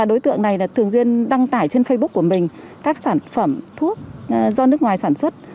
đối tượng này thường xuyên đăng tải trên facebook của mình các sản phẩm thuốc do nước ngoài sản xuất